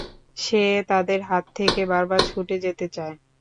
সে তাদের হাত থেকে বারবার ছুটে যেতে চায়।